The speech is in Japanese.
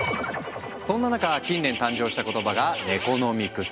そんな中近年誕生した言葉が「ネコノミクス」。